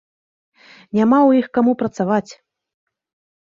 Няма ў іх каму працаваць.